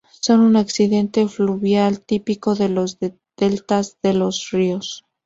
Son un accidente fluvial típico de los deltas de los ríos.